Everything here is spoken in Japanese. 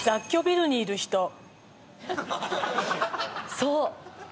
そう。